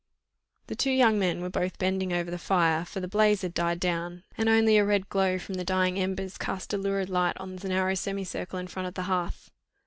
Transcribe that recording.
The two young men were both bending over the fire, for the blaze had died down, and only a red glow from the dying embers cast a lurid light on a narrow semicircle in front of the hearth.